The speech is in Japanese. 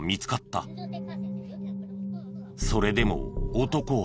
それでも男は。